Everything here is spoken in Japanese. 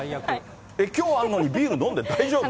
きょうあるのに、ビール飲んで大丈夫？